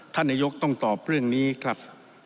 ท่านนายกต้องตอบเรื่องนี้ครับ